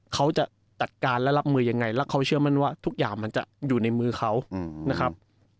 เขาจะจัดการและรับมือยังไงแล้วเขาเชื่อมั่นว่าทุกอย่างมันจะอยู่ในมือเขานะครับ